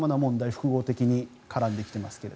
複合的に絡んできてますが。